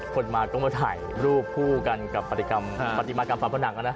คนมาต้องมาถ่ายรูปผู้กันกับปฏิบัติกรรมฝันผนังนะ